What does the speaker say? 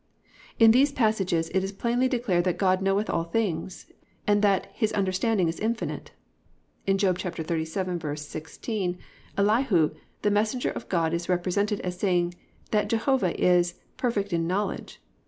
In these passages it is plainly declared that "God knoweth all things" and that "His understanding is infinite." In Job 37:16 Elihu the messenger of God is represented as saying that Jehovah is "perfect in knowledge."